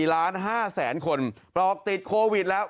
๔๕ล้านคนโปรกติดโควิดแล้ว